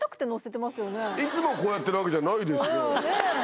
「いつもこうやってるわけじゃないですよ」。